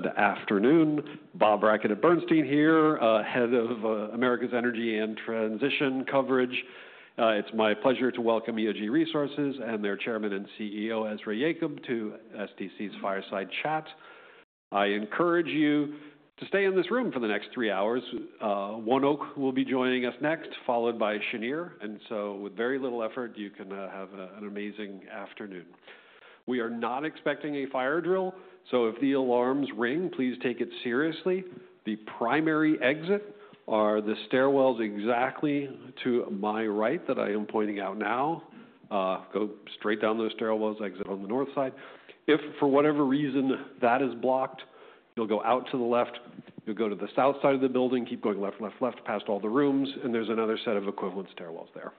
Good afternoon. Bob Brackett at Bernstein here, head of Americas Energy and Transition Coverage. It's my pleasure to welcome EOG Resources and their Chairman and CEO, Ezra Yacob, to SDC's fireside chat. I encourage you to stay in this room for the next three hours. ONEOK will be joining us next, followed by Cheniere. With very little effort, you can have an amazing afternoon. We are not expecting a fire drill, so if the alarms ring, please take it seriously. The primary exit is the stairwells exactly to my right that I am pointing out now. Go straight down those stairwells, exit on the north side. If, for whatever reason, that is blocked, you'll go out to the left, you'll go to the south side of the building, keep going left, left, left past all the rooms, and there's another set of equivalent stairwells there.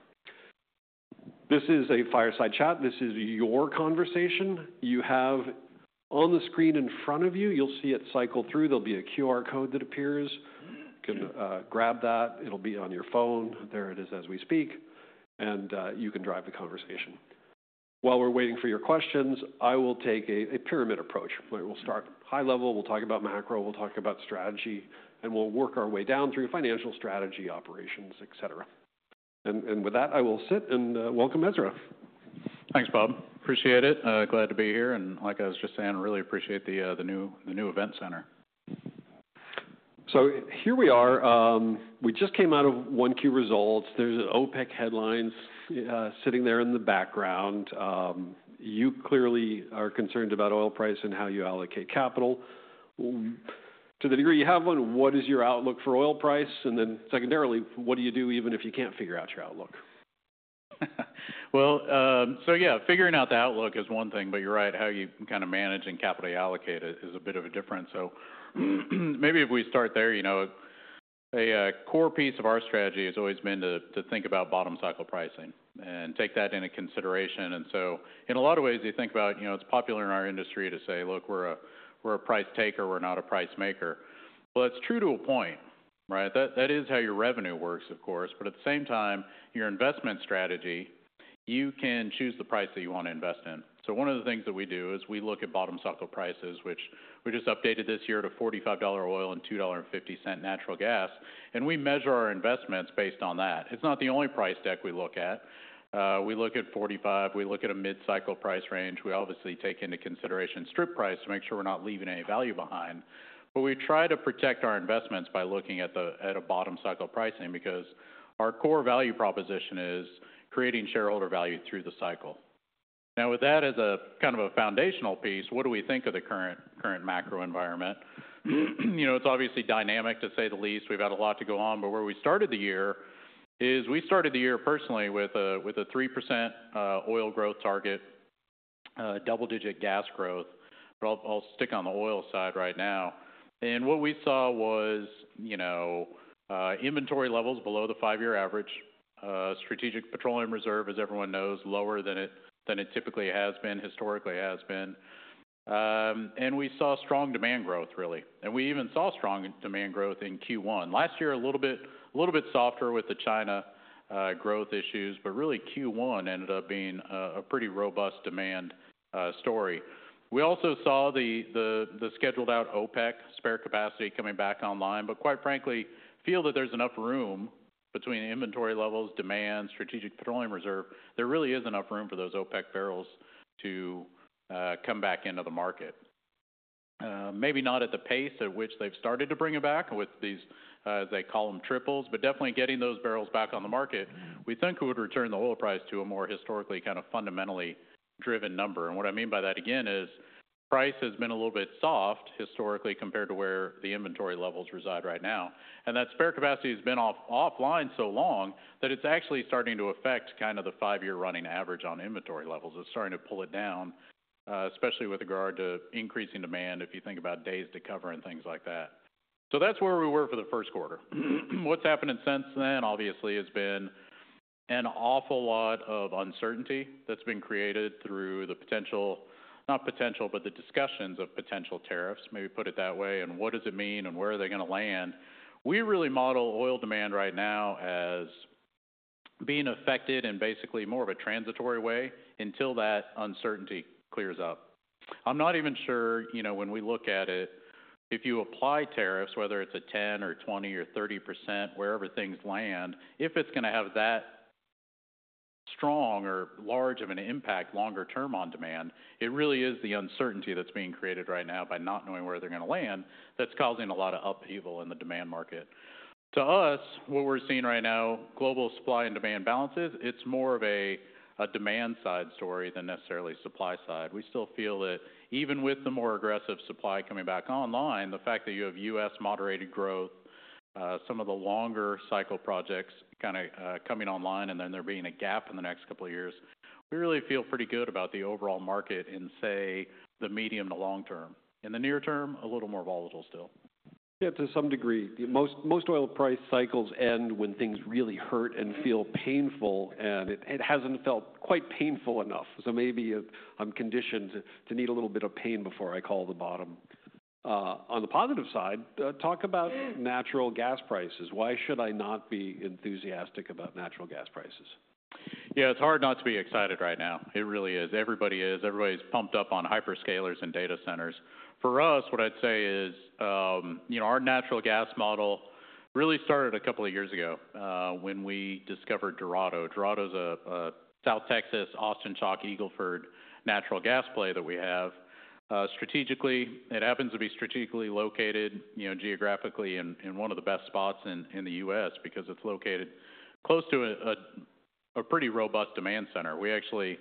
This is a fireside chat. This is your conversation. You have on the screen in front of you, you'll see it cycle through. There'll be a QR code that appears. You can grab that. It'll be on your phone. There it is as we speak. You can drive the conversation. While we're waiting for your questions, I will take a pyramid approach. We'll start high level. We'll talk about macro. We'll talk about strategy. We'll work our way down through financial strategy, operations, et cetera. With that, I will sit and welcome Ezra. Thanks, Bob. Appreciate it. Glad to be here. Like I was just saying, I really appreciate the new event center. Here we are. We just came out of Q1 results. There are OPEC headlines sitting there in the background. You clearly are concerned about oil price and how you allocate capital. To the degree you have one, what is your outlook for oil price? And then secondarily, what do you do even if you cannot figure out your outlook? Yeah, figuring out the outlook is one thing, but you're right, how you kind of manage and capitally allocate it is a bit of a different. Maybe if we start there, you know a core piece of our strategy has always been to think about bottom cycle pricing and take that into consideration. In a lot of ways, you think about, you know it's popular in our industry to say, look, we're a price taker, we're not a price maker. That is true to a point, right? That is how your revenue works, of course. At the same time, your investment strategy, you can choose the price that you want to invest in. One of the things that we do is we look at bottom cycle prices, which we just updated this year to $45 oil and $2.50 natural gas. We measure our investments based on that. It's not the only price deck we look at. We look at $45. We look at a mid-cycle price range. We obviously take into consideration strip price to make sure we're not leaving any value behind. We try to protect our investments by looking at a bottom cycle pricing because our core value proposition is creating shareholder value through the cycle. With that as a kind of a foundational piece, what do we think of the current macro environment? You know, it's obviously dynamic to say the least. We've had a lot to go on. Where we started the year is we started the year personally with a 3% oil growth target, double-digit gas growth. I'll stick on the oil side right now. What we saw was inventory levels below the five-year average. Strategic petroleum reserve, as everyone knows, lower than it typically has been, historically has been. We saw strong demand growth, really. We even saw strong demand growth in Q1. Last year, a little bit softer with the China growth issues, but really Q1 ended up being a pretty robust demand story. We also saw the scheduled-out OPEC spare capacity coming back online. Quite frankly, I feel that there is enough room between inventory levels, demand, strategic petroleum reserve. There really is enough room for those OPEC barrels to come back into the market. Maybe not at the pace at which they have started to bring it back with these, as they call them, triples, but definitely getting those barrels back on the market, we think would return the oil price to a more historically kind of fundamentally driven number. What I mean by that, again, is price has been a little bit soft historically compared to where the inventory levels reside right now. That spare capacity has been offline so long that it is actually starting to affect kind of the five-year running average on inventory levels. It is starting to pull it down, especially with regard to increasing demand if you think about days to cover and things like that. That is where we were for the first quarter. What has happened since then, obviously, has been an awful lot of uncertainty that has been created through the potential, not potential, but the discussions of potential tariffs, maybe put it that way. What does it mean and where are they going to land? We really model oil demand right now as being affected in basically more of a transitory way until that uncertainty clears up. I'm not even sure, you know, when we look at it, if you apply tariffs, whether it's a 10% or 20% or 30%, wherever things land, if it's going to have that strong or large of an impact longer term on demand, it really is the uncertainty that's being created right now by not knowing where they're going to land that's causing a lot of upheaval in the demand market. To us, what we're seeing right now, global supply and demand balances, it's more of a demand side story than necessarily supply side. We still feel that even with the more aggressive supply coming back online, the fact that you have U.S. Moderated growth, some of the longer cycle projects kind of coming online, and then there being a gap in the next couple of years, we really feel pretty good about the overall market in, say, the medium to long term. In the near term, a little more volatile still. Yeah, to some degree. Most oil price cycles end when things really hurt and feel painful, and it has not felt quite painful enough. Maybe I am conditioned to need a little bit of pain before I call the bottom. On the positive side, talk about natural gas prices. Why should I not be enthusiastic about natural gas prices? Yeah, it's hard not to be excited right now. It really is. Everybody is. Everybody's pumped up on hyperscalers and data centers. For us, what I'd say is, you know, our natural gas model really started a couple of years ago when we discovered Dorado. Dorado is a South Texas, Austin Chalk Eagle Ford natural gas play that we have. Strategically, it happens to be strategically located, you know, geographically in one of the best spots in the U.S. because it's located close to a pretty robust demand center. We actually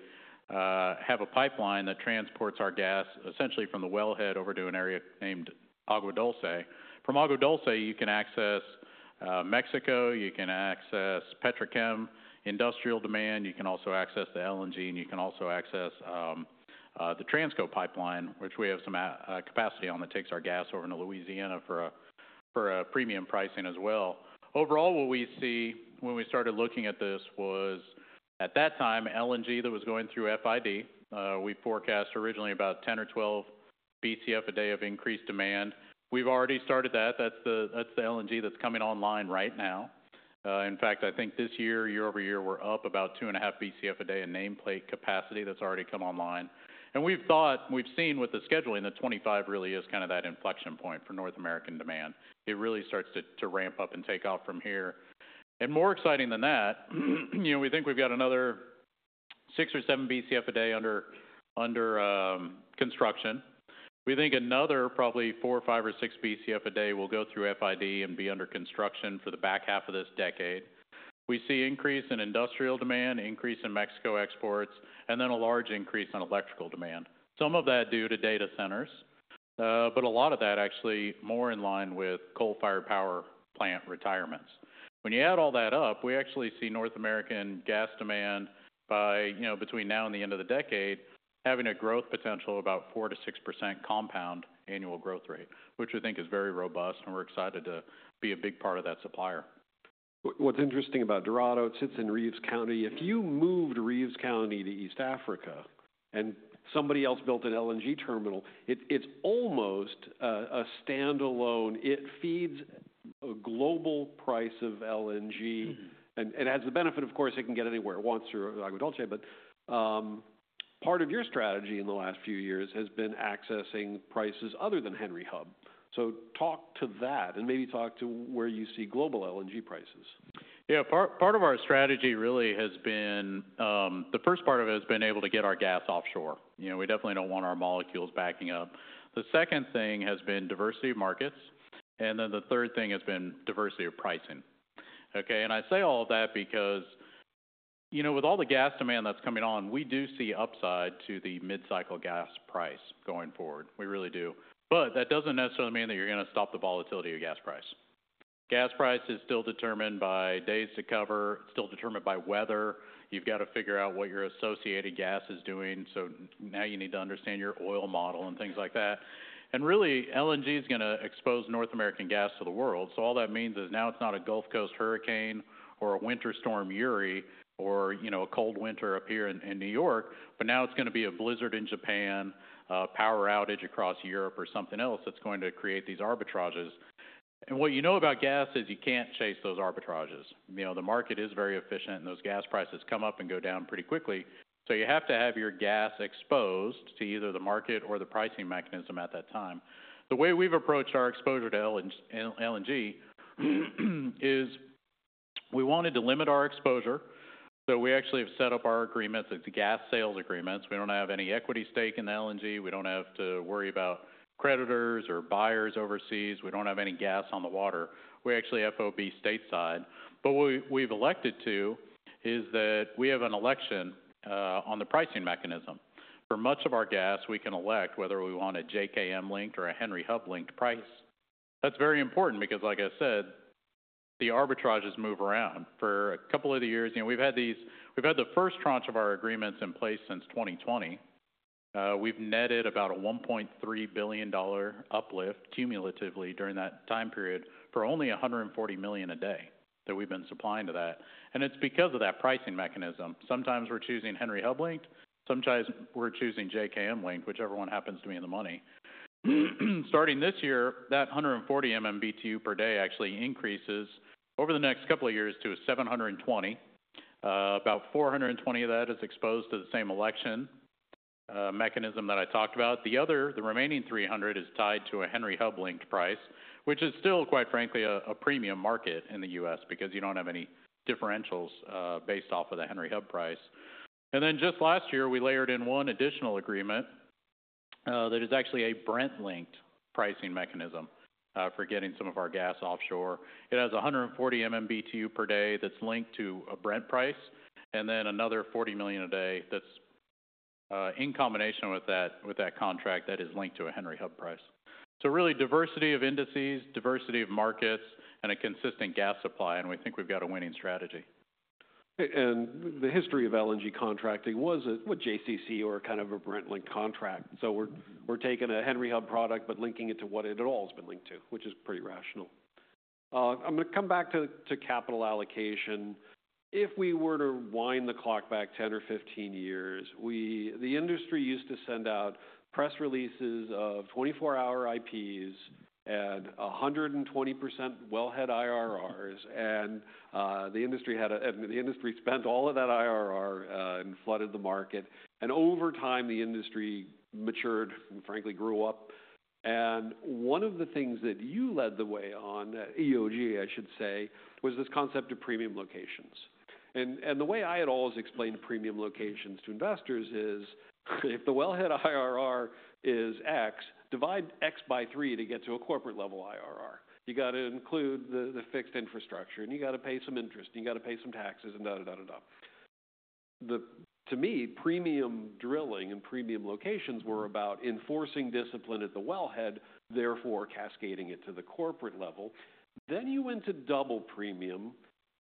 have a pipeline that transports our gas essentially from the wellhead over to an area named Agua Dulce. From Agua Dulce, you can access Mexico, you can access petrochem industrial demand, you can also access the LNG, and you can also access the Transco pipeline, which we have some capacity on that takes our gas over into Louisiana for a premium pricing as well. Overall, what we see when we started looking at this was at that time, LNG that was going through FID, we forecast originally about 10 or 12 BCF a day of increased demand. We've already started that. That's the LNG that's coming online right now. In fact, I think this year, year over year, we're up about 2.5 BCF a day in nameplate capacity that's already come online. We've thought, we've seen with the scheduling that 2025 really is kind of that inflection point for North American demand. It really starts to ramp up and take off from here. More exciting than that, you know, we think we've got another six or seven BCF a day under construction. We think another probably four, five, or six BCF a day will go through FID and be under construction for the back half of this decade. We see increase in industrial demand, increase in Mexico exports, and then a large increase in electrical demand. Some of that due to data centers, but a lot of that actually more in line with coal-fired power plant retirements. When you add all that up, we actually see North American gas demand by, you know, between now and the end of the decade having a growth potential of about 4%-6% compound annual growth rate, which we think is very robust, and we're excited to be a big part of that supplier. What's interesting about Dorado, it sits in Reeves County. If you moved Reeves County to East Africa and somebody else built an LNG terminal, it's almost a standalone. It feeds a global price of LNG. It has the benefit, of course, it can get anywhere it wants through Agua Dulce. Part of your strategy in the last few years has been accessing prices other than Henry Hub. Talk to that and maybe talk to where you see global LNG prices. Yeah, part of our strategy really has been, the first part of it has been able to get our gas offshore. You know, we definitely do not want our molecules backing up. The second thing has been diversity of markets. The third thing has been diversity of pricing. Okay. I say all of that because, you know, with all the gas demand that is coming on, we do see upside to the mid-cycle gas price going forward. We really do. That does not necessarily mean that you are going to stop the volatility of gas price. Gas price is still determined by days to cover. It is still determined by weather. You have got to figure out what your associated gas is doing. Now you need to understand your oil model and things like that. Really, LNG is going to expose North American gas to the world. All that means is now it's not a Gulf Coast hurricane or a winter storm, Yuri, or, you know, a cold winter up here in New York, but now it's going to be a blizzard in Japan, a power outage across Europe, or something else that's going to create these arbitrages. What you know about gas is you can't chase those arbitrages. You know, the market is very efficient, and those gas prices come up and go down pretty quickly. You have to have your gas exposed to either the market or the pricing mechanism at that time. The way we've approached our exposure to LNG is we wanted to limit our exposure. We actually have set up our agreements. It's gas sales agreements. We don't have any equity stake in LNG. We don't have to worry about creditors or buyers overseas. We do not have any gas on the water. We actually FOB stateside. What we have elected to do is that we have an election on the pricing mechanism. For much of our gas, we can elect whether we want a JKM-linked or a Henry Hub-linked price. That is very important because, like I said, the arbitrages move around. For a couple of the years, you know, we have had these, we have had the first tranche of our agreements in place since 2020. We have netted about a $1.3 billion uplift cumulatively during that time period for only 140 million a day that we have been supplying to that. It is because of that pricing mechanism. Sometimes we are choosing Henry Hub-linked. Sometimes we are choosing JKM-linked, whichever one happens to be in the money. Starting this year, that 140 MMBTU per day actually increases over the next couple of years to a 720. About 420 of that is exposed to the same election mechanism that I talked about. The other, the remaining 300 is tied to a Henry Hub-linked price, which is still, quite frankly, a premium market in the U.S. because you do not have any differentials based off of the Henry Hub price. Just last year, we layered in one additional agreement that is actually a Brent-linked pricing mechanism for getting some of our gas offshore. It has 140 MMBTU per day that is linked to a Brent price and another 40 million a day that is in combination with that contract that is linked to a Henry Hub price. Really diversity of indices, diversity of markets, and a consistent gas supply. We think we have got a winning strategy. The history of LNG contracting was what JCC or kind of a Brent-linked contract. We are taking a Henry Hub product, but linking it to what it at all has been linked to, which is pretty rational. I am going to come back to capital allocation. If we were to wind the clock back 10 or 15 years, the industry used to send out press releases of 24-hour IPs and 120% wellhead IRRs. The industry had, the industry spent all of that IRR and flooded the market. Over time, the industry matured and frankly grew up. One of the things that you led the way on at EOG, I should say, was this concept of premium locations. The way I had always explained premium locations to investors is if the wellhead IRR is X, divide X by three to get to a corporate-level IRR. You got to include the fixed infrastructure, and you got to pay some interest, and you got to pay some taxes, and da, da, da, da. To me, premium drilling and premium locations were about enforcing discipline at the wellhead, therefore cascading it to the corporate level. You went to double premium.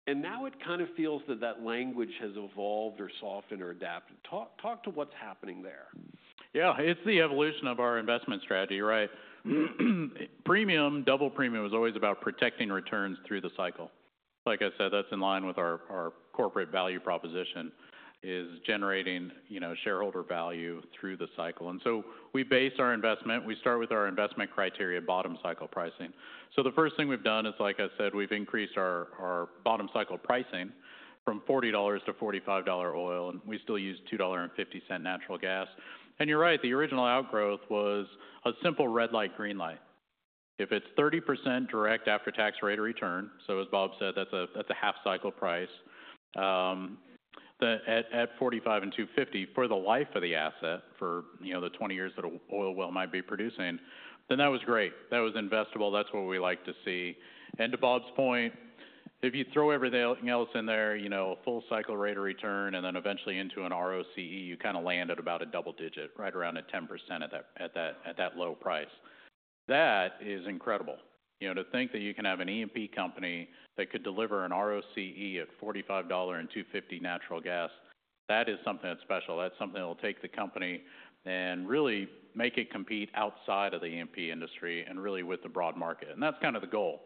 Now it kind of feels that that language has evolved or softened or adapted. Talk to what is happening there. Yeah, it's the evolution of our investment strategy, right? Premium, double premium is always about protecting returns through the cycle. Like I said, that's in line with our corporate value proposition is generating, you know, shareholder value through the cycle. We base our investment, we start with our investment criteria, bottom cycle pricing. The first thing we've done is, like I said, we've increased our bottom cycle pricing from $40 to $45 oil. We still use $2.50 natural gas. You're right, the original outgrowth was a simple red light, green light. If it's 30% direct after-tax rate of return, so as Bob said, that's a half-cycle price, then at $45 and $2.50 for the life of the asset, for, you know, the 20 years that an oil well might be producing, then that was great. That was investable. That's what we like to see. To Bob's point, if you throw everything else in there, you know, a full cycle rate of return, and then eventually into an ROCE, you kind of land at about a double digit, right around a 10% at that low price. That is incredible. You know, to think that you can have an EMP company that could deliver an ROCE at $45 and $2.50 natural gas, that is something that's special. That's something that will take the company and really make it compete outside of the EMP industry and really with the broad market. That is kind of the goal.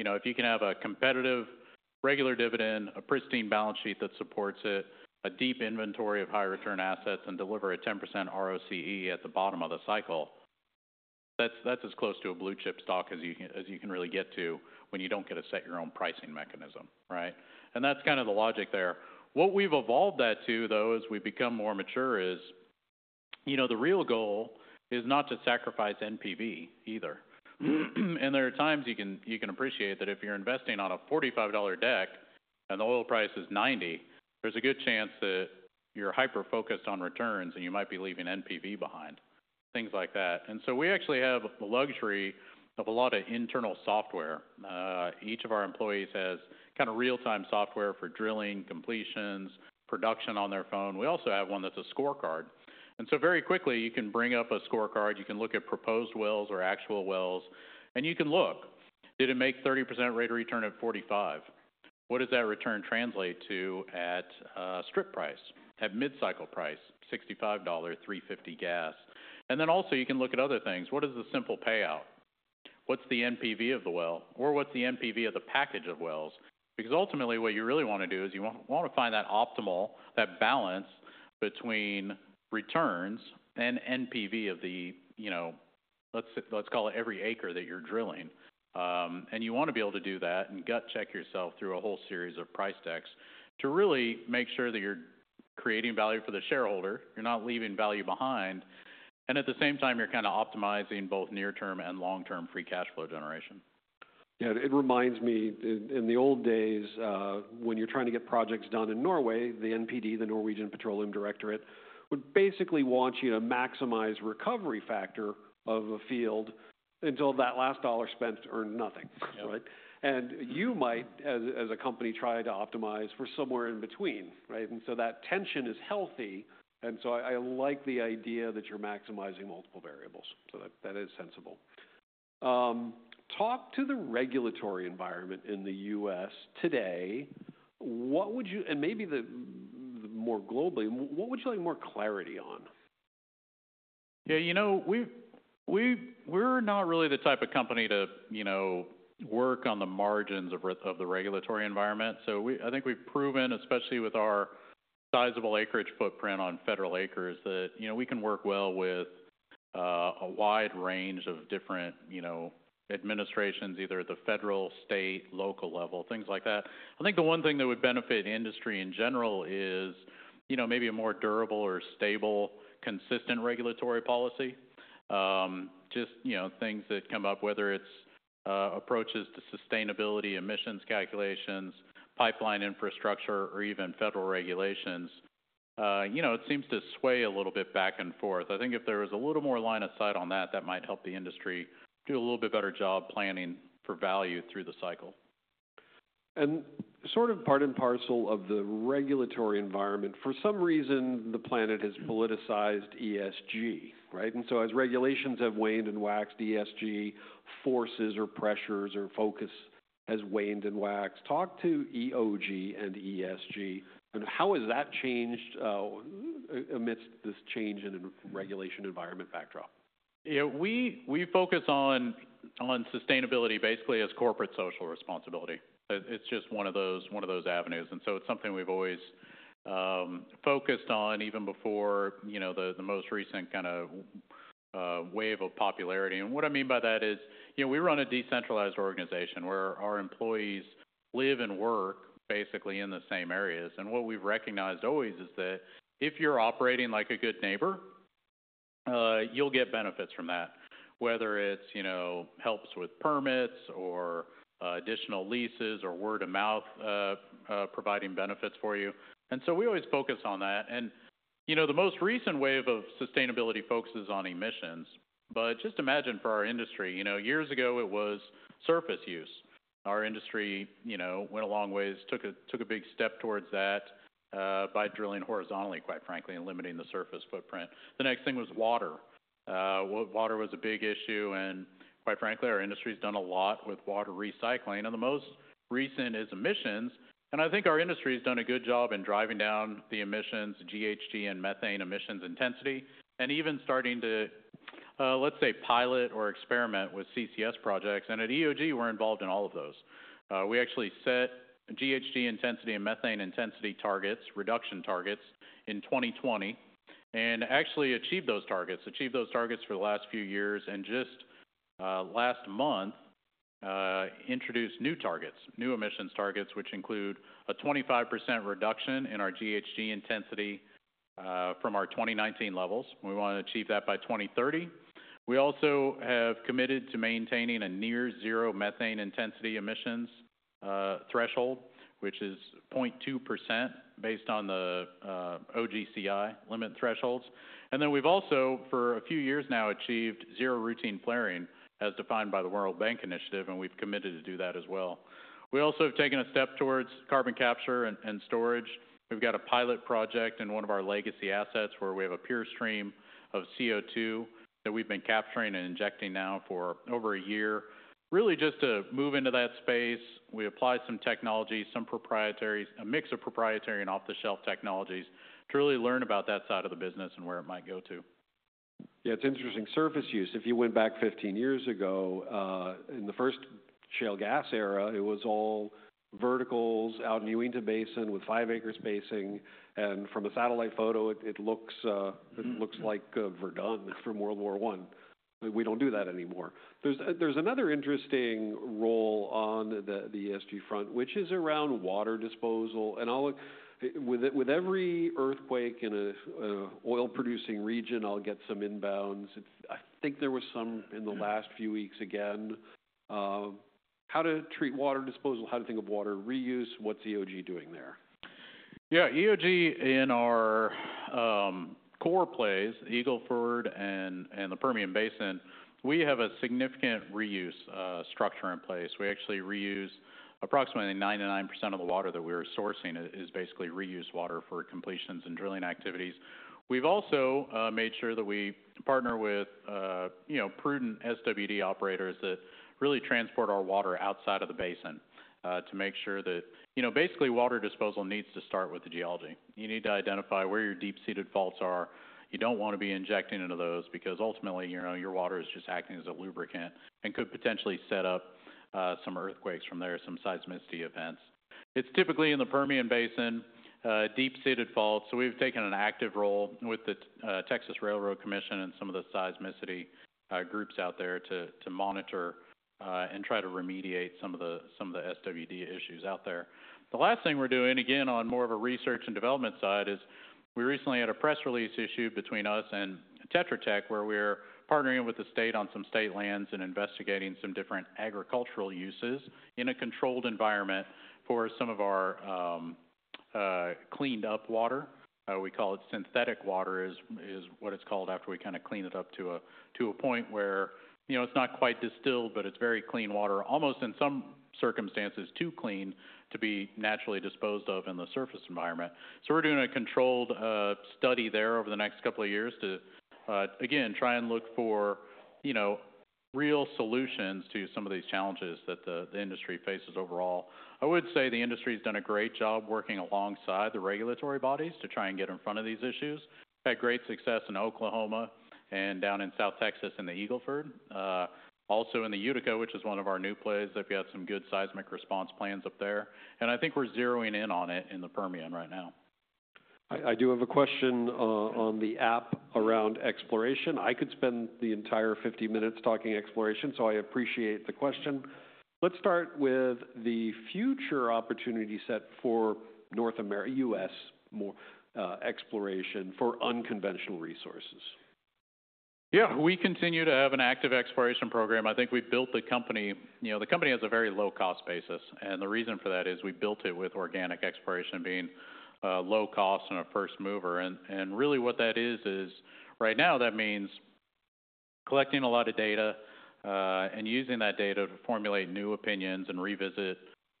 You know, if you can have a competitive regular dividend, a pristine balance sheet that supports it, a deep inventory of high return assets, and deliver a 10% ROCE at the bottom of the cycle, that's as close to a blue chip stock as you can really get to when you don't get to set your own pricing mechanism, right? That's kind of the logic there. What we've evolved that to, though, as we become more mature is, you know, the real goal is not to sacrifice NPV either. There are times you can appreciate that if you're investing on a $45 deck and the oil price is 90, there's a good chance that you're hyper-focused on returns and you might be leaving NPV behind, things like that. We actually have the luxury of a lot of internal software. Each of our employees has kind of real-time software for drilling, completions, production on their phone. We also have one that's a scorecard. Very quickly, you can bring up a scorecard. You can look at proposed wells or actual wells, and you can look. Did it make 30% rate of return at $45? What does that return translate to at strip price, at mid-cycle price, $65, 350 gas? You can also look at other things. What is the simple payout? What's the NPV of the well? Or what's the NPV of the package of wells? Ultimately, what you really want to do is you want to find that optimal, that balance between returns and NPV of the, you know, let's call it every acre that you're drilling. You want to be able to do that and gut check yourself through a whole series of price decks to really make sure that you're creating value for the shareholder, you're not leaving value behind, and at the same time, you're kind of optimizing both near-term and long-term free cash flow generation. Yeah, it reminds me in the old days when you're trying to get projects done in Norway, the NPD, the Norwegian Petroleum Directorate, would basically want you to maximize recovery factor of a field until that last dollar spent earned nothing, right? You might, as a company, try to optimize for somewhere in between, right? That tension is healthy. I like the idea that you're maximizing multiple variables. That is sensible. Talk to the regulatory environment in the U.S. today. What would you, and maybe more globally, what would you like more clarity on? Yeah, you know, we're not really the type of company to, you know, work on the margins of the regulatory environment. I think we've proven, especially with our sizable acreage footprint on federal acres, that, you know, we can work well with a wide range of different, you know, administrations, either at the federal, state, local level, things like that. I think the one thing that would benefit industry in general is, you know, maybe a more durable or stable, consistent regulatory policy. Just, you know, things that come up, whether it's approaches to sustainability, emissions calculations, pipeline infrastructure, or even federal regulations. You know, it seems to sway a little bit back and forth. I think if there was a little more line of sight on that, that might help the industry do a little bit better job planning for value through the cycle. Sort of part and parcel of the regulatory environment, for some reason, the planet has politicized ESG, right? As regulations have waned and waxed, ESG forces or pressures or focus has waned and waxed. Talk to EOG and ESG. How has that changed amidst this change in regulation environment backdrop? You know, we focus on sustainability basically as corporate social responsibility. It is just one of those avenues. It is something we have always focused on even before, you know, the most recent kind of wave of popularity. What I mean by that is, you know, we run a decentralized organization where our employees live and work basically in the same areas. What we have recognized always is that if you are operating like a good neighbor, you will get benefits from that, whether it is, you know, helps with permits or additional leases or word of mouth providing benefits for you. We always focus on that. You know, the most recent wave of sustainability focuses on emissions. Just imagine for our industry, you know, years ago it was surface use. Our industry, you know, went a long ways, took a big step towards that by drilling horizontally, quite frankly, and limiting the surface footprint. The next thing was water. Water was a big issue. And quite frankly, our industry has done a lot with water recycling. The most recent is emissions. I think our industry has done a good job in driving down the emissions, GHG and methane emissions intensity, and even starting to, let's say, pilot or experiment with CCS projects. At EOG, we're involved in all of those. We actually set GHG intensity and methane intensity targets, reduction targets in 2020, and actually achieved those targets, achieved those targets for the last few years. Just last month, introduced new targets, new emissions targets, which include a 25% reduction in our GHG intensity from our 2019 levels. We want to achieve that by 2030. We also have committed to maintaining a near zero methane intensity emissions threshold, which is 0.2% based on the OGCI limit thresholds. We have also, for a few years now, achieved zero routine flaring as defined by the World Bank Initiative. We have committed to do that as well. We also have taken a step towards carbon capture and storage. We have got a pilot project in one of our legacy assets where we have a pure stream of CO2 that we have been capturing and injecting now for over a year. Really just to move into that space, we apply some technologies, some proprietary, a mix of proprietary and off-the-shelf technologies to really learn about that side of the business and where it might go to. Yeah, it's interesting. Surface use, if you went back 15 years ago, in the first shale gas era, it was all verticals out in the Uinta Basin with five acres spacing. And from a satellite photo, it looks like Verdun from World War I. We don't do that anymore. There's another interesting role on the ESG front, which is around water disposal. And with every earthquake in an oil-producing region, I'll get some inbounds. I think there was some in the last few weeks again. How to treat water disposal, how to think of water reuse, what's EOG doing there? Yeah, EOG in our core plays, Eagle Ford and the Permian Basin, we have a significant reuse structure in place. We actually reuse approximately 99% of the water that we are sourcing is basically reused water for completions and drilling activities. We've also made sure that we partner with, you know, prudent SWD operators that really transport our water outside of the basin to make sure that, you know, basically water disposal needs to start with the geology. You need to identify where your deep-seated faults are. You do not want to be injecting into those because ultimately, you know, your water is just acting as a lubricant and could potentially set up some earthquakes from there, some seismicity events. It is typically in the Permian Basin, deep-seated faults. We have taken an active role with the Texas Railroad Commission and some of the seismicity groups out there to monitor and try to remediate some of the SWD issues out there. The last thing we are doing, again, on more of a research and development side is we recently had a press release issue between us and Tetra Tech where we are partnering with the state on some state lands and investigating some different agricultural uses in a controlled environment for some of our cleaned-up water. We call it synthetic water is what it is called after we kind of clean it up to a point where, you know, it is not quite distilled, but it is very clean water, almost in some circumstances too clean to be naturally disposed of in the surface environment. We're doing a controlled study there over the next couple of years to, again, try and look for, you know, real solutions to some of these challenges that the industry faces overall. I would say the industry has done a great job working alongside the regulatory bodies to try and get in front of these issues. Had great success in Oklahoma and down in South Texas in the Eagle Ford. Also in the Utica, which is one of our new plays, if you have some good seismic response plans up there. I think we're zeroing in on it in the Permian right now. I do have a question on the app around exploration. I could spend the entire 50 minutes talking exploration, so I appreciate the question. Let's start with the future opportunity set for North America, U.S. exploration for unconventional resources. Yeah, we continue to have an active exploration program. I think we've built the company, you know, the company has a very low-cost basis. The reason for that is we built it with organic exploration being low cost and a first mover. Really what that is, is right now that means collecting a lot of data and using that data to formulate new opinions and revisit,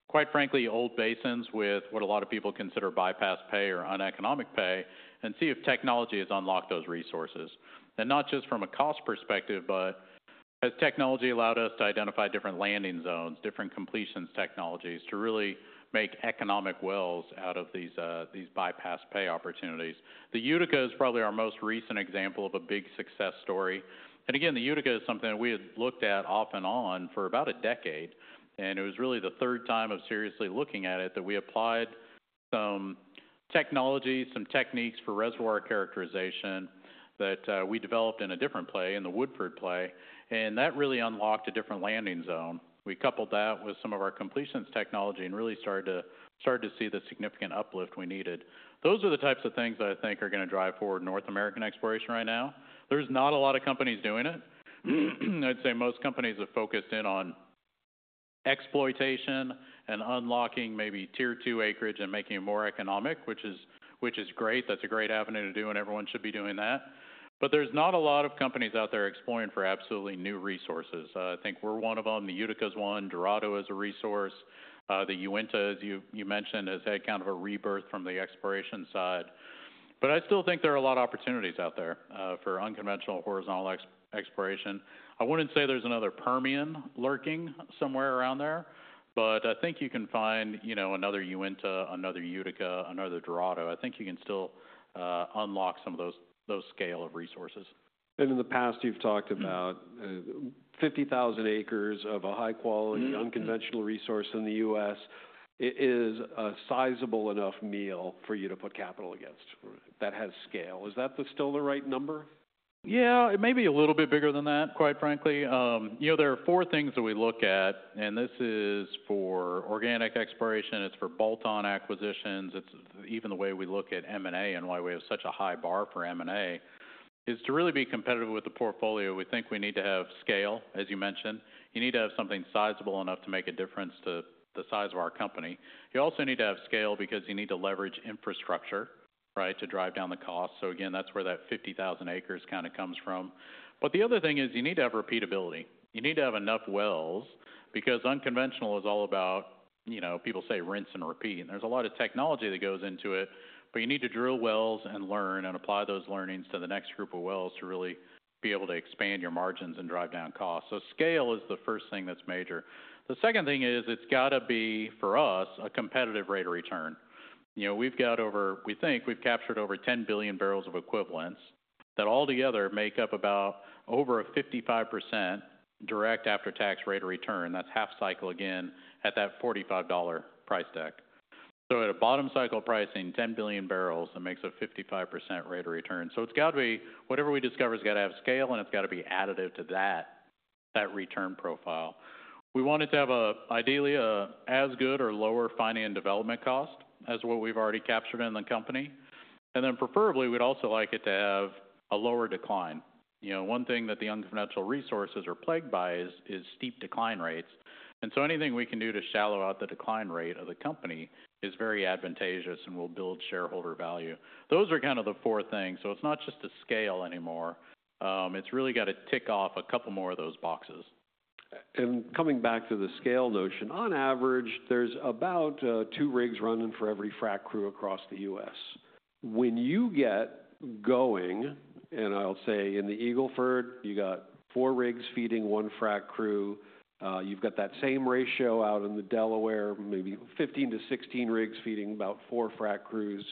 quite frankly, old basins with what a lot of people consider bypass pay or uneconomic pay and see if technology has unlocked those resources. Not just from a cost perspective, but has technology allowed us to identify different landing zones, different completions technologies to really make economic wells out of these bypass pay opportunities. The Utica is probably our most recent example of a big success story. The Utica is something that we had looked at off and on for about a decade. It was really the third time of seriously looking at it that we applied some technologies, some techniques for reservoir characterization that we developed in a different play in the Woodford play. That really unlocked a different landing zone. We coupled that with some of our completions technology and really started to see the significant uplift we needed. Those are the types of things that I think are going to drive forward North American exploration right now. There is not a lot of companies doing it. I would say most companies have focused in on exploitation and unlocking maybe tier two acreage and making it more economic, which is great. That is a great avenue to do, and everyone should be doing that. There are not a lot of companies out there exploring for absolutely new resources. I think we are one of them. The Utica is one. Dorado is a resource. The Uinta, as you mentioned, has had kind of a rebirth from the exploration side. I still think there are a lot of opportunities out there for unconventional horizontal exploration. I would not say there is another Permian lurking somewhere around there, but I think you can find, you know, another Uinta, another Utica, another Dorado. I think you can still unlock some of those scale of resources. In the past, you've talked about 50,000 acres of a high-quality unconventional resource in the U.S. It is a sizable enough meal for you to put capital against that has scale. Is that still the right number? Yeah, it may be a little bit bigger than that, quite frankly. You know, there are four things that we look at, and this is for organic exploration. It is for bolt-on acquisitions. It is even the way we look at M&A and why we have such a high bar for M&A is to really be competitive with the portfolio. We think we need to have scale, as you mentioned. You need to have something sizable enough to make a difference to the size of our company. You also need to have scale because you need to leverage infrastructure, right, to drive down the cost. Again, that is where that 50,000 acres kind of comes from. The other thing is you need to have repeatability. You need to have enough wells because unconventional is all about, you know, people say rinse and repeat. There is a lot of technology that goes into it, but you need to drill wells and learn and apply those learnings to the next group of wells to really be able to expand your margins and drive down costs. Scale is the first thing that is major. The second thing is it has to be, for us, a competitive rate of return. You know, we have over, we think we have captured over 10 billion barrels of equivalents that altogether make up about over a 55% direct after-tax rate of return. That is half cycle again at that $45 price tag. At a bottom cycle pricing, 10 billion barrels that makes a 55% rate of return. It has to be, whatever we discover has to have scale, and it has to be additive to that, that return profile. We want it to have ideally an as good or lower finance development cost as what we've already captured in the company. Then preferably, we'd also like it to have a lower decline. You know, one thing that the unconventional resources are plagued by is steep decline rates. Anything we can do to shallow out the decline rate of the company is very advantageous and will build shareholder value. Those are kind of the four things. It is not just a scale anymore. It has really got to tick off a couple more of those boxes. Coming back to the scale notion, on average, there is about two rigs running for every frac crew across the U.S. When you get going, and I'll say in the Eagle Ford, you have four rigs feeding one frac crew. You have that same ratio out in the Delaware, maybe 15-16 rigs feeding about four frac crews.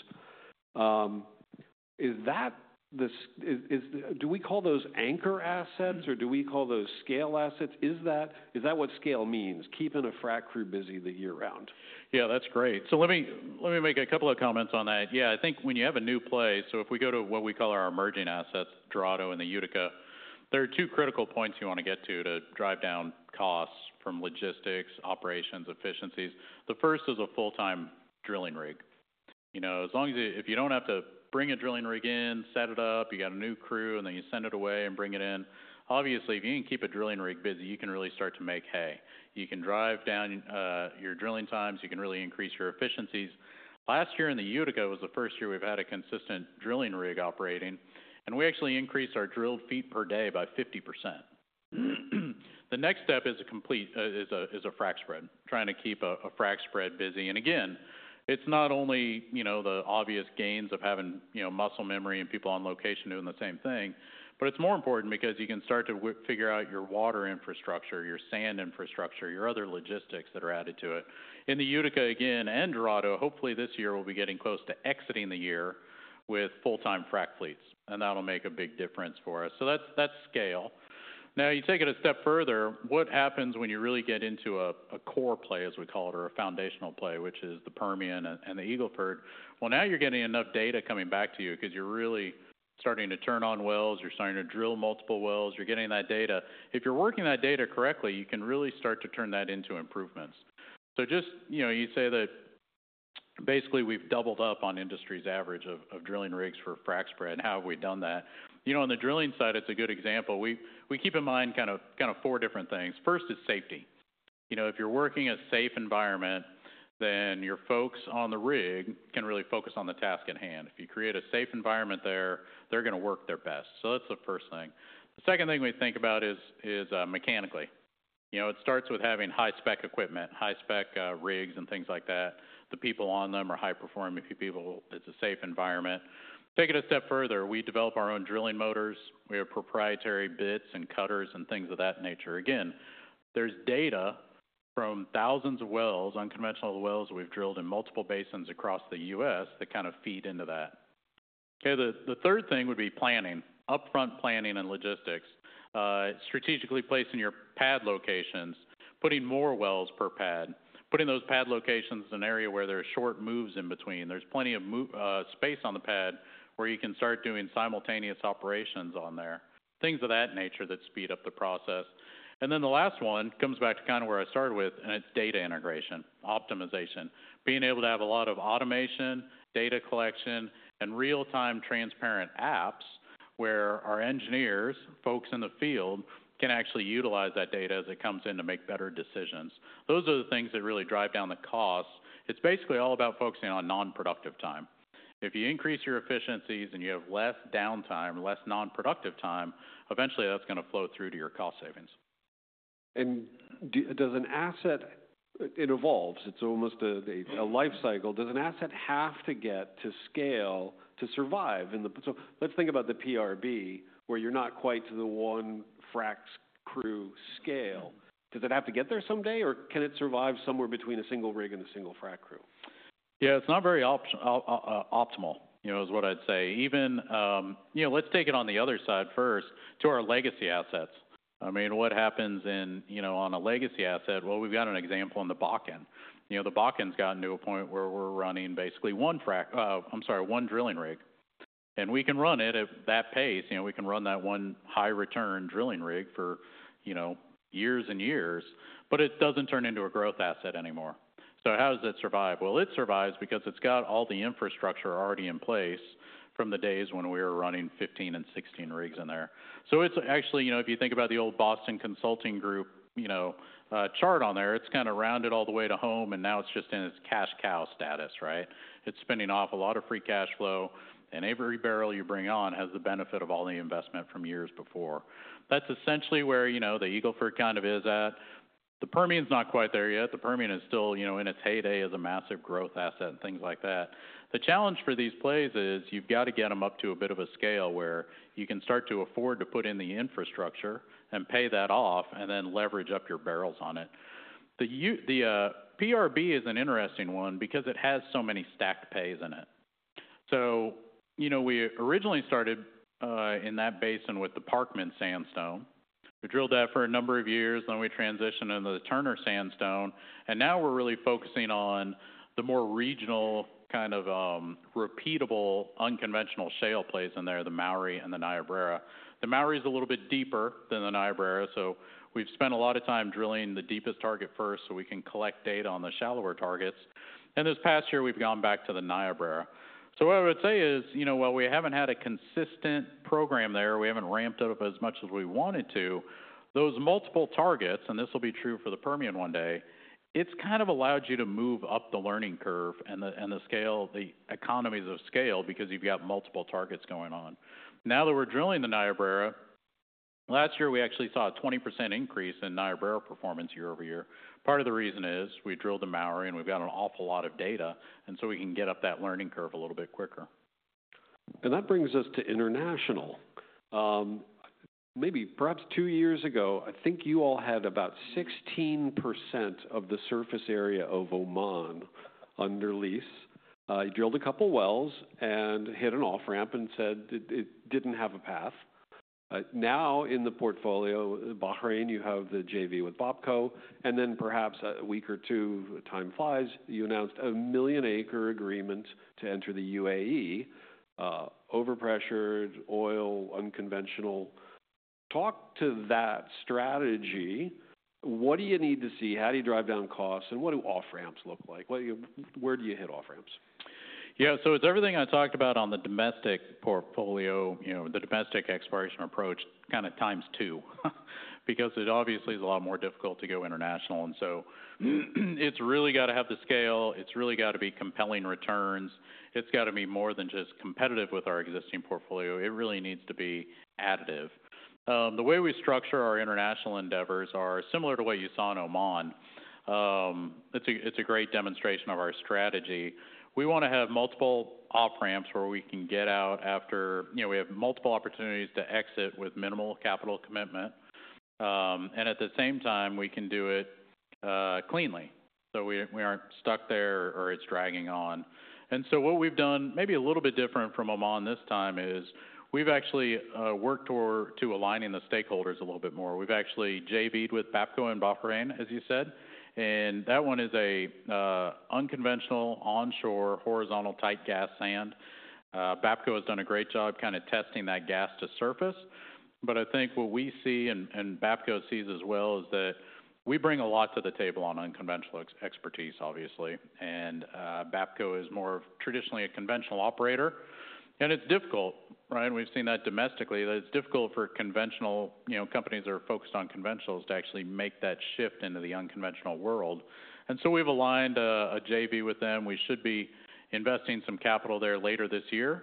Is that the, do we call those anchor assets or do we call those scale assets? Is that what scale means, keeping a frac crew busy the year round? Yeah, that's great. Let me make a couple of comments on that. Yeah, I think when you have a new play, if we go to what we call our emerging assets, Dorado and the Utica, there are two critical points you want to get to to drive down costs from logistics, operations, efficiencies. The first is a full-time drilling rig. You know, as long as if you don't have to bring a drilling rig in, set it up, you got a new crew, and then you send it away and bring it in, obviously, if you can keep a drilling rig busy, you can really start to make hay. You can drive down your drilling times. You can really increase your efficiencies. Last year in the Utica was the first year we've had a consistent drilling rig operating. We actually increased our drilled feet per day by 50%. The next step is a frac spread, trying to keep a frac spread busy. Again, it is not only, you know, the obvious gains of having, you know, muscle memory and people on location doing the same thing, but it is more important because you can start to figure out your water infrastructure, your sand infrastructure, your other logistics that are added to it. In the Utica, again, and Dorado, hopefully this year we will be getting close to exiting the year with full-time frac fleets. That will make a big difference for us. That is scale. Now you take it a step further. What happens when you really get into a core play, as we call it, or a foundational play, which is the Permian and the Eagle Ford? Now you're getting enough data coming back to you because you're really starting to turn on wells. You're starting to drill multiple wells. You're getting that data. If you're working that data correctly, you can really start to turn that into improvements. Just, you know, you say that basically we've doubled up on industry's average of drilling rigs for frac spread and how have we done that? You know, on the drilling side, it's a good example. We keep in mind kind of four different things. First is safety. You know, if you're working a safe environment, then your folks on the rig can really focus on the task at hand. If you create a safe environment there, they're going to work their best. That's the first thing. The second thing we think about is mechanically. You know, it starts with having high-spec equipment, high-spec rigs and things like that. The people on them are high-performing people. It's a safe environment. Take it a step further. We develop our own drilling motors. We have proprietary bits and cutters and things of that nature. Again, there's data from thousands of wells, unconventional wells we've drilled in multiple basins across the U.S. that kind of feed into that. Okay, the third thing would be planning, upfront planning and logistics, strategically placing your pad locations, putting more wells per pad, putting those pad locations in an area where there are short moves in between. There's plenty of space on the pad where you can start doing simultaneous operations on there, things of that nature that speed up the process. The last one comes back to kind of where I started with, and it's data integration, optimization, being able to have a lot of automation, data collection, and real-time transparent apps where our engineers, folks in the field can actually utilize that data as it comes in to make better decisions. Those are the things that really drive down the cost. It's basically all about focusing on non-productive time. If you increase your efficiencies and you have less downtime, less non-productive time, eventually that's going to flow through to your cost savings. Does an asset, it evolves. It's almost a life cycle. Does an asset have to get to scale to survive? Let's think about the PRB where you're not quite to the one frac crew scale. Does it have to get there someday or can it survive somewhere between a single rig and a single frac crew? Yeah, it's not very optimal, you know, is what I'd say. Even, you know, let's take it on the other side first to our legacy assets. I mean, what happens in, you know, on a legacy asset? We've got an example in the Bakken. You know, the Bakken's gotten to a point where we're running basically one frac, I'm sorry, one drilling rig. We can run it at that pace. You know, we can run that one high-return drilling rig for, you know, years and years, but it doesn't turn into a growth asset anymore. How does it survive? It survives because it's got all the infrastructure already in place from the days when we were running 15 and 16 rigs in there. It's actually, you know, if you think about the old Boston Consulting Group, you know, chart on there, it's kind of rounded all the way to home, and now it's just in its cash cow status, right? It's spinning off a lot of free cash flow, and every barrel you bring on has the benefit of all the investment from years before. That's essentially where, you know, the Eagle Ford kind of is at. The Permian's not quite there yet. The Permian is still, you know, in its heyday as a massive growth asset and things like that. The challenge for these plays is you've got to get them up to a bit of a scale where you can start to afford to put in the infrastructure and pay that off and then leverage up your barrels on it. PRB is an interesting one because it has so many stacked pays in it. You know, we originally started in that basin with the Parkman Sandstone. We drilled that for a number of years, and then we transitioned into the Turner Sandstone. Now we're really focusing on the more regional kind of repeatable unconventional shale plays in there, the Mowry and the Niobrara. The Mowry is a little bit deeper than the Niobrara. We've spent a lot of time drilling the deepest target first so we can collect data on the shallower targets. This past year, we've gone back to the Niobrara. What I would say is, you know, while we haven't had a consistent program there, we haven't ramped it up as much as we wanted to, those multiple targets, and this will be true for the Permian one day, it's kind of allowed you to move up the learning curve and the scale, the economies of scale because you've got multiple targets going on. Now that we're drilling the Niobrara, last year we actually saw a 20% increase in Niobrara performance year over year. Part of the reason is we drilled the Mowry, and we've got an awful lot of data, and so we can get up that learning curve a little bit quicker. That brings us to international. Maybe perhaps two years ago, I think you all had about 16% of the surface area of Oman under lease. You drilled a couple of wells and hit an off ramp and said it did not have a path. Now in the portfolio, Bahrain, you have the JV with Bapco, and then perhaps a week or two, time flies, you announced a million acre agreement to enter the UAE, overpressured oil, unconventional. Talk to that strategy. What do you need to see? How do you drive down costs? And what do off ramps look like? Where do you hit off ramps? Yeah, so it's everything I talked about on the domestic portfolio, you know, the domestic exploration approach, kind of times two because it obviously is a lot more difficult to go international. It really has to have the scale. It really has to be compelling returns. It has to be more than just competitive with our existing portfolio. It really needs to be additive. The way we structure our international endeavors is similar to what you saw in Oman. It's a great demonstration of our strategy. We want to have multiple off ramps where we can get out after, you know, we have multiple opportunities to exit with minimal capital commitment. At the same time, we can do it cleanly. We are not stuck there or it is dragging on. What we have done, maybe a little bit different from Oman this time, is we have actually worked toward aligning the stakeholders a little bit more. We have actually JVed with Bapco in Bahrain, as you said. That one is an unconventional onshore horizontal type gas sand. Bapco has done a great job kind of testing that gas to surface. I think what we see and Bapco sees as well is that we bring a lot to the table on unconventional expertise, obviously. Bapco is more traditionally a conventional operator. It is difficult, right? We have seen that domestically. It is difficult for conventional, you know, companies that are focused on conventionals to actually make that shift into the unconventional world. We have aligned a JV with them. We should be investing some capital there later this year.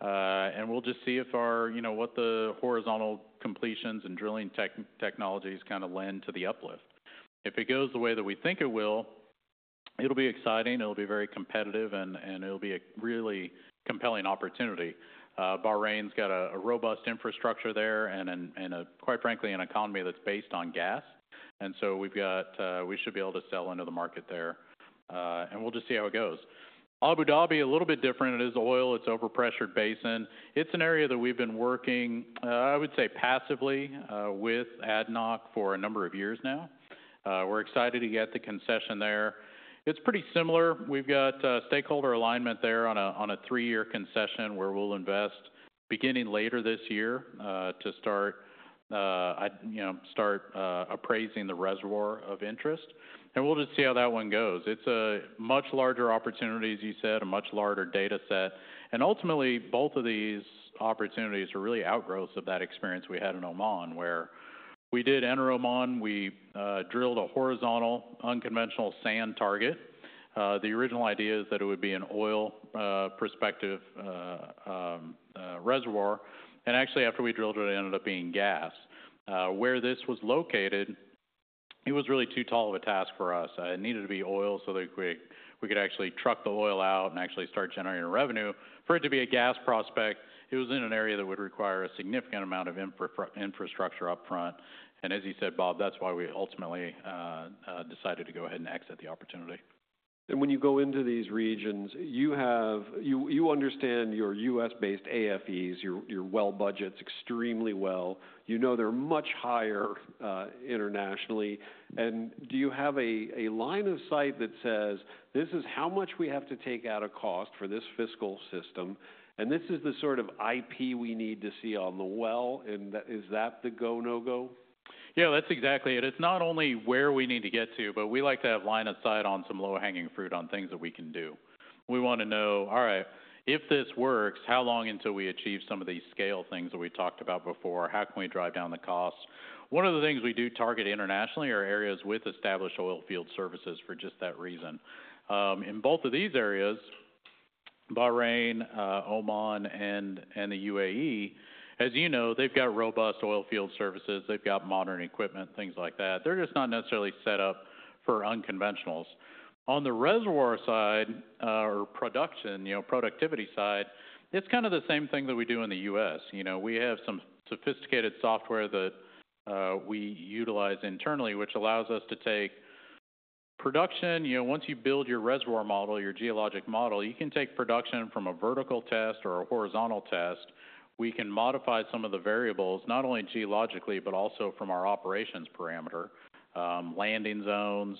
We will just see if our, you know, what the horizontal completions and drilling technologies kind of lend to the uplift. If it goes the way that we think it will, it will be exciting. It will be very competitive, and it will be a really compelling opportunity. Bahrain has got a robust infrastructure there and, quite frankly, an economy that is based on gas. We should be able to sell into the market there. We will just see how it goes. Abu Dhabi is a little bit different. It is oil. It is an overpressured basin. It is an area that we have been working, I would say passively, with ADNOC for a number of years now. We are excited to get the concession there. It is pretty similar. We have got stakeholder alignment there on a three-year concession where we will invest beginning later this year to start appraising the reservoir of interest. We will just see how that one goes. It is a much larger opportunity, as you said, a much larger data set. Ultimately, both of these opportunities are really outgrowths of that experience we had in Oman where we did inter-Oman. We drilled a horizontal unconventional sand target. The original idea is that it would be an oil perspective reservoir. Actually, after we drilled it, it ended up being gas. Where this was located, it was really too tall of a task for us. It needed to be oil so that we could actually truck the oil out and actually start generating revenue. For it to be a gas prospect, it was in an area that would require a significant amount of infrastructure upfront. As you said, Bob, that is why we ultimately decided to go ahead and exit the opportunity. When you go into these regions, you have, you understand your U.S.-based AFEs, your well budgets extremely well. You know they are much higher internationally. Do you have a line of sight that says, this is how much we have to take out of cost for this fiscal system, and this is the sort of IP we need to see on the well? Is that the go/no-go? Yeah, that's exactly it. It's not only where we need to get to, but we like to have line of sight on some low-hanging fruit on things that we can do. We want to know, all right, if this works, how long until we achieve some of these scale things that we talked about before? How can we drive down the cost? One of the things we do target internationally are areas with established oil field services for just that reason. In both of these areas, Bahrain, Oman, and the UAE, as you know, they've got robust oil field services. They've got modern equipment, things like that. They're just not necessarily set up for unconventionals. On the reservoir side or production, you know, productivity side, it's kind of the same thing that we do in the U.S. You know, we have some sophisticated software that we utilize internally, which allows us to take production, you know, once you build your reservoir model, your geologic model, you can take production from a vertical test or a horizontal test. We can modify some of the variables, not only geologically, but also from our operations parameter, landing zones,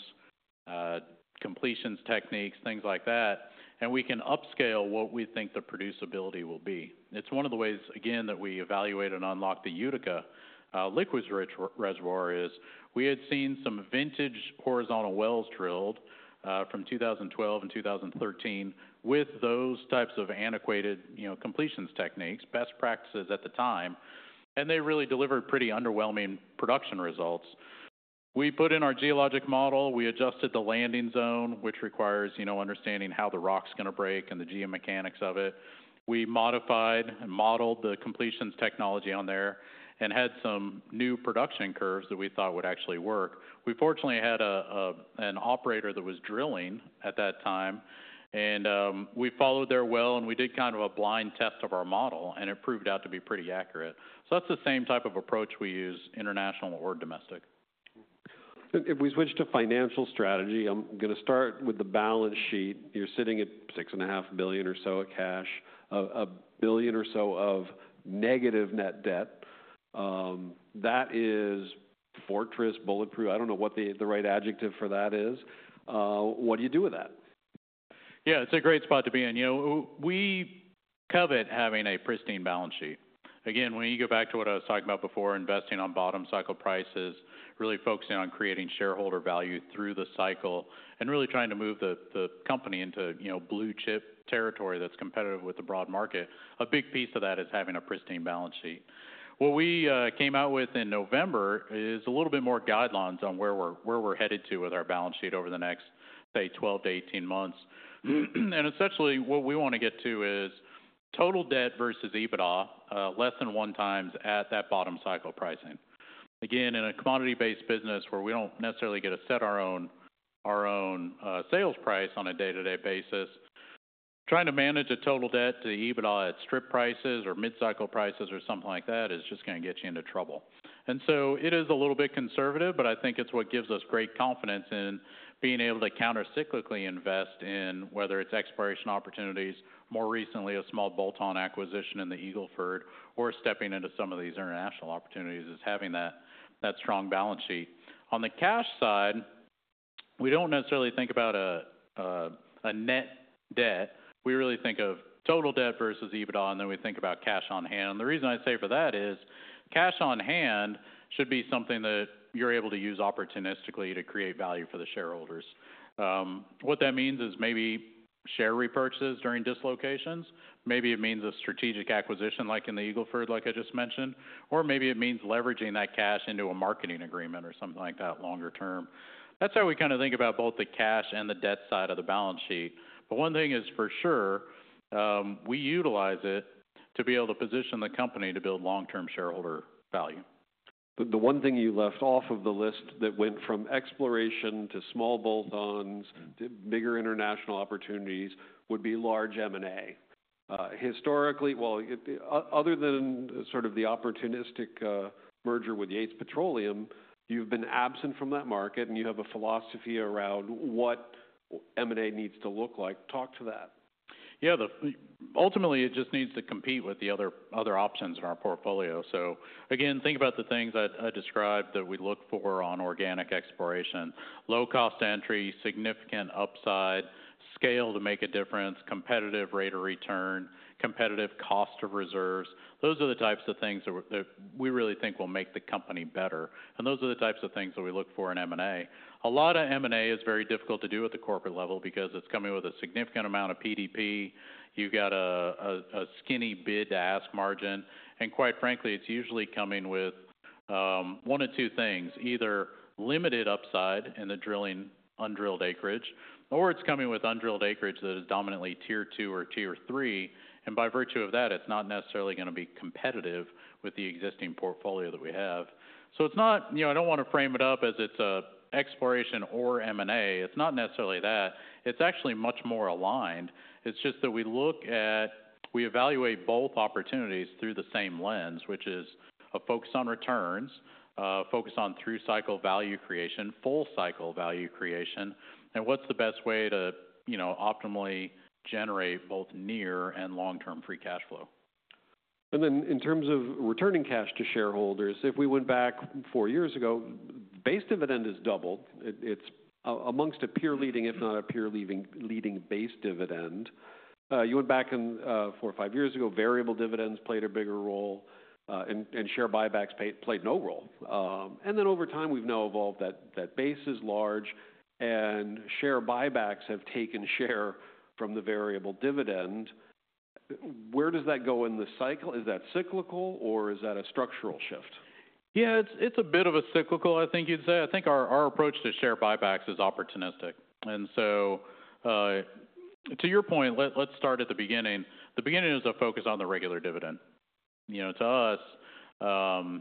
completions techniques, things like that. We can upscale what we think the producibility will be. It is one of the ways, again, that we evaluate and unlock the Utica liquids reservoir is we had seen some vintage horizontal wells drilled from 2012 and 2013 with those types of antiquated, you know, completions techniques, best practices at the time. They really delivered pretty underwhelming production results. We put in our geologic model. We adjusted the landing zone, which requires, you know, understanding how the rock's going to break and the geomechanics of it. We modified and modeled the completions technology on there and had some new production curves that we thought would actually work. We fortunately had an operator that was drilling at that time, and we followed their well, and we did kind of a blind test of our model, and it proved out to be pretty accurate. That is the same type of approach we use international or domestic. If we switch to financial strategy, I'm going to start with the balance sheet. You're sitting at $6.5 billion or so of cash, $1 billion or so of negative net debt. That is fortress, bulletproof. I don't know what the right adjective for that is. What do you do with that? Yeah, it's a great spot to be in. You know, we covet having a pristine balance sheet. Again, when you go back to what I was talking about before, investing on bottom cycle prices, really focusing on creating shareholder value through the cycle and really trying to move the company into, you know, blue chip territory that's competitive with the broad market. A big piece of that is having a pristine balance sheet. What we came out with in November is a little bit more guidelines on where we're headed to with our balance sheet over the next, say, 12 to 18 months. Essentially, what we want to get to is total debt versus EBITDA less than one times at that bottom cycle pricing. Again, in a commodity-based business where we do not necessarily get to set our own sales price on a day-to-day basis, trying to manage a total debt to EBITDA at strip prices or mid-cycle prices or something like that is just going to get you into trouble. It is a little bit conservative, but I think it is what gives us great confidence in being able to countercyclically invest in whether it is exploration opportunities, more recently a small bolt-on acquisition in the Eagle Ford, or stepping into some of these international opportunities is having that strong balance sheet. On the cash side, we do not necessarily think about a net debt. We really think of total debt versus EBITDA, and then we think about cash on hand. The reason I say for that is cash on hand should be something that you're able to use opportunistically to create value for the shareholders. What that means is maybe share repurchases during dislocations. Maybe it means a strategic acquisition like in the Eagle Ford, like I just mentioned, or maybe it means leveraging that cash into a marketing agreement or something like that longer term. That is how we kind of think about both the cash and the debt side of the balance sheet. One thing is for sure, we utilize it to be able to position the company to build long-term shareholder value. The one thing you left off of the list that went from exploration to small bolt-ons to bigger international opportunities would be large M&A. Historically, other than sort of the opportunistic merger with Yates Petroleum, you've been absent from that market, and you have a philosophy around what M&A needs to look like. Talk to that. Yeah, ultimately, it just needs to compete with the other options in our portfolio. Again, think about the things I described that we look for on organic exploration: low-cost entry, significant upside, scale to make a difference, competitive rate of return, competitive cost of reserves. Those are the types of things that we really think will make the company better. Those are the types of things that we look for in M&A. A lot of M&A is very difficult to do at the corporate level because it is coming with a significant amount of PDP. You have got a skinny bid-to-ask margin. Quite frankly, it is usually coming with one of two things: either limited upside in the drilling undrilled acreage, or it is coming with undrilled acreage that is dominantly tier two or tier three. By virtue of that, it's not necessarily going to be competitive with the existing portfolio that we have. It's not, you know, I don't want to frame it up as it's an exploration or M&A. It's not necessarily that. It's actually much more aligned. It's just that we look at, we evaluate both opportunities through the same lens, which is a focus on returns, a focus on through cycle value creation, full cycle value creation, and what's the best way to, you know, optimally generate both near and long-term free cash flow. In terms of returning cash to shareholders, if we went back four years ago, base dividend is doubled. It is amongst a peer leading, if not a peer leading base dividend. You went back four or five years ago, variable dividends played a bigger role, and share buybacks played no role. Over time, we have now evolved that base is large, and share buybacks have taken share from the variable dividend. Where does that go in the cycle? Is that cyclical, or is that a structural shift? Yeah, it's a bit of a cyclical, I think you'd say. I think our approach to share buybacks is opportunistic. To your point, let's start at the beginning. The beginning is a focus on the regular dividend. You know, to us,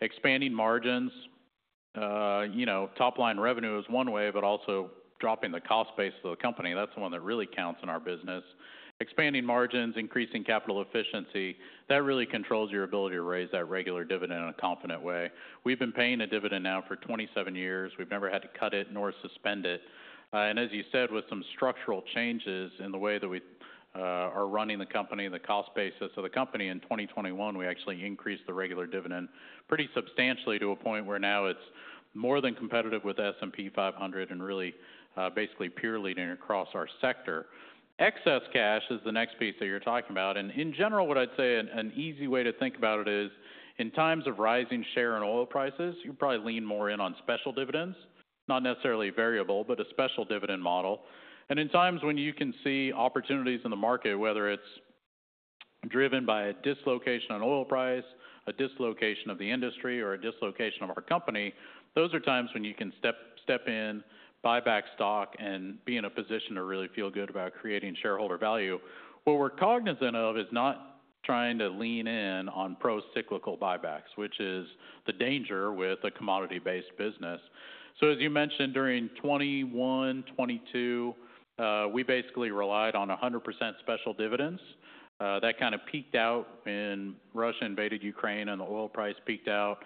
expanding margins, you know, top-line revenue is one way, but also dropping the cost base of the company, that's the one that really counts in our business. Expanding margins, increasing capital efficiency, that really controls your ability to raise that regular dividend in a confident way. We've been paying a dividend now for 27 years. We've never had to cut it nor suspend it. As you said, with some structural changes in the way that we are running the company, the cost basis of the company, in 2021, we actually increased the regular dividend pretty substantially to a point where now it is more than competitive with S&P 500 and really basically peer leading across our sector. Excess cash is the next piece that you are talking about. In general, what I would say, an easy way to think about it is in times of rising share and oil prices, you probably lean more in on special dividends, not necessarily a variable, but a special dividend model. In times when you can see opportunities in the market, whether it's driven by a dislocation on oil price, a dislocation of the industry, or a dislocation of our company, those are times when you can step in, buy back stock, and be in a position to really feel good about creating shareholder value. What we're cognizant of is not trying to lean in on pro-cyclical buybacks, which is the danger with a commodity-based business. As you mentioned, during 2021, 2022, we basically relied on 100% special dividends. That kind of peaked out when Russia invaded Ukraine and the oil price peaked out.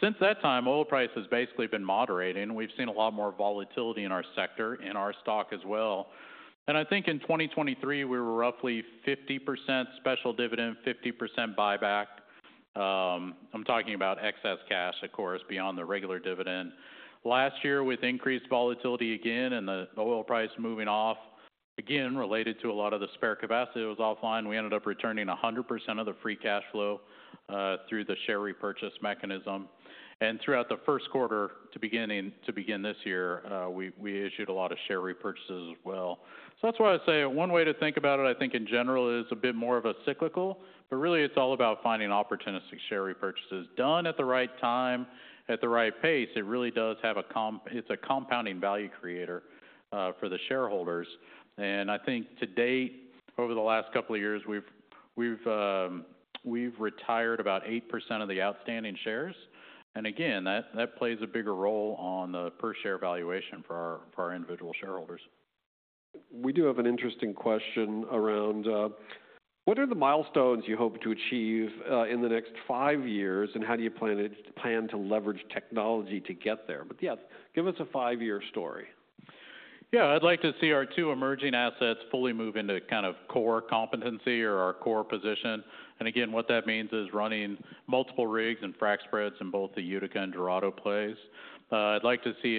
Since that time, oil price has basically been moderating. We've seen a lot more volatility in our sector, in our stock as well. I think in 2023, we were roughly 50% special dividend, 50% buyback. I'm talking about excess cash, of course, beyond the regular dividend. Last year, with increased volatility again and the oil price moving off, again, related to a lot of the spare capacity that was offline, we ended up returning 100% of the free cash flow through the share repurchase mechanism. Throughout the first quarter to begin this year, we issued a lot of share repurchases as well. That is why I say one way to think about it, I think in general, is a bit more of a cyclical, but really it is all about finding opportunistic share repurchases done at the right time, at the right pace. It really does have a, it is a compounding value creator for the shareholders. I think to date, over the last couple of years, we have retired about 8% of the outstanding shares. That plays a bigger role on the per-share valuation for our individual shareholders. We do have an interesting question around what are the milestones you hope to achieve in the next five years and how do you plan to leverage technology to get there? Yeah, give us a five-year story. Yeah, I'd like to see our two emerging assets fully move into kind of core competency or our core position. Again, what that means is running multiple rigs and frac spreads in both the Utica and Dorado plays. I'd like to see,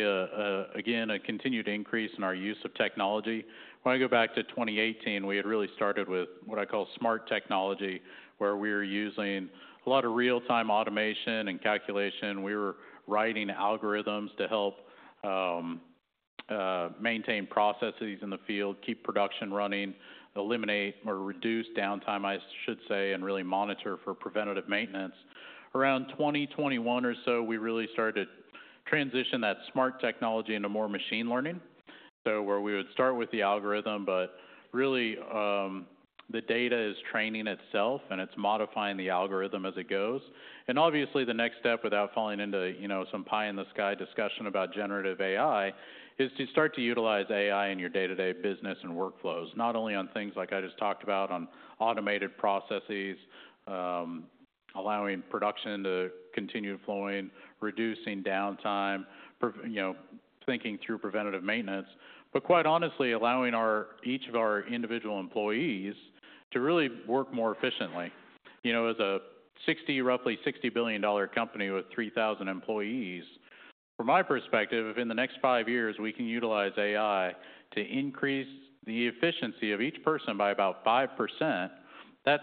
again, a continued increase in our use of technology. When I go back to 2018, we had really started with what I call smart technology, where we were using a lot of real-time automation and calculation. We were writing algorithms to help maintain processes in the field, keep production running, eliminate or reduce downtime, I should say, and really monitor for preventative maintenance. Around 2021 or so, we really started to transition that smart technology into more machine learning. Where we would start with the algorithm, but really the data is training itself and it's modifying the algorithm as it goes. Obviously, the next step without falling into, you know, some pie in the sky discussion about generative AI is to start to utilize AI in your day-to-day business and workflows, not only on things like I just talked about on automated processes, allowing production to continue flowing, reducing downtime, you know, thinking through preventative maintenance, but quite honestly, allowing each of our individual employees to really work more efficiently. You know, as a roughly $60 billion company with 3,000 employees, from my perspective, if in the next five years we can utilize AI to increase the efficiency of each person by about 5%, that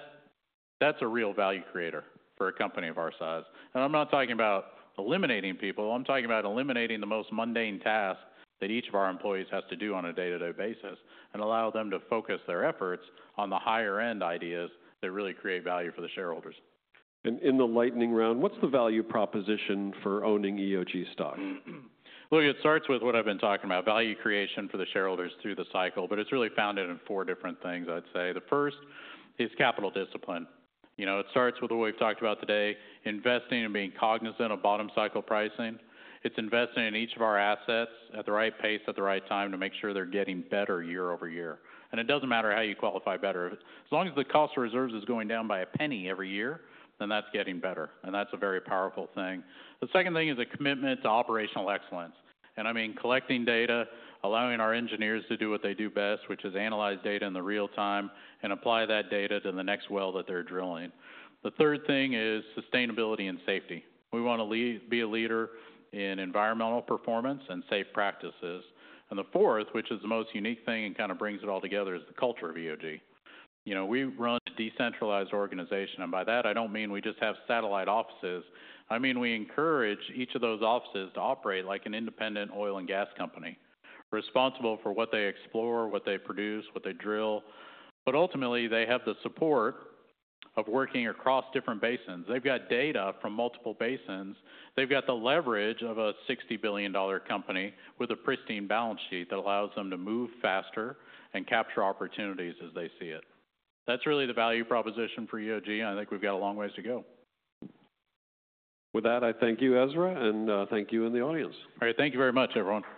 is a real value creator for a company of our size. I am not talking about eliminating people. I'm talking about eliminating the most mundane task that each of our employees has to do on a day-to-day basis and allow them to focus their efforts on the higher-end ideas that really create value for the shareholders. In the lightning round, what's the value proposition for owning EOG stock? It starts with what I've been talking about, value creation for the shareholders through the cycle, but it's really founded in four different things, I'd say. The first is capital discipline. You know, it starts with what we've talked about today, investing and being cognizant of bottom cycle pricing. It's investing in each of our assets at the right pace, at the right time to make sure they're getting better year over year. It doesn't matter how you qualify better. As long as the cost of reserves is going down by a penny every year, then that's getting better. That's a very powerful thing. The second thing is a commitment to operational excellence. I mean collecting data, allowing our engineers to do what they do best, which is analyze data in real time and apply that data to the next well that they're drilling. The third thing is sustainability and safety. We want to be a leader in environmental performance and safe practices. The fourth, which is the most unique thing and kind of brings it all together, is the culture of EOG. You know, we run a decentralized organization. By that, I do not mean we just have satellite offices. I mean we encourage each of those offices to operate like an independent oil and gas company responsible for what they explore, what they produce, what they drill. Ultimately, they have the support of working across different basins. They have data from multiple basins. They have the leverage of a $60 billion company with a pristine balance sheet that allows them to move faster and capture opportunities as they see it. That is really the value proposition for EOG. I think we have got a long way to go. With that, I thank you, Ezra, and thank you in the audience. All right, thank you very much, everyone.